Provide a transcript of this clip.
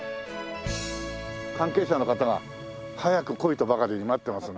関係者の方が早く来いとばかりに待ってますんでね。